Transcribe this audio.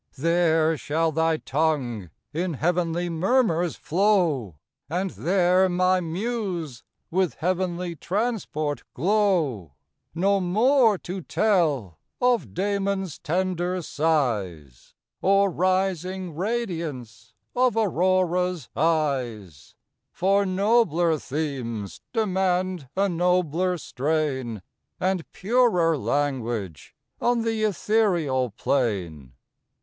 There shall thy tongue in heav'nly murmurs flow, And there my muse with heav'nly transport glow: No more to tell of Damon's tender sighs, Or rising radiance of Aurora's eyes, For nobler themes demand a nobler strain, And purer language on th' ethereal plain.